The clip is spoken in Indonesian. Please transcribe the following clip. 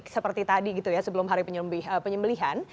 seperti tadi gitu ya sebelum hari penyembelihan